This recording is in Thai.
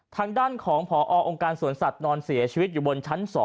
ทางด้านของพอองค์การสวนสัตว์นอนเสียชีวิตอยู่บนชั้น๒